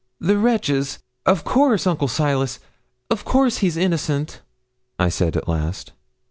'The wretches! Of course, Uncle Silas of course, he's innocent?' I said at last.